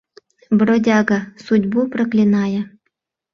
Бродяга, судьбу проклиная